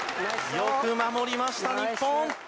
よく守りました、日本。